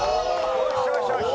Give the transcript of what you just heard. よしよしよし！